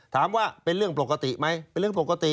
ถามว่าเป็นเรื่องปกติไหมเป็นเรื่องปกติ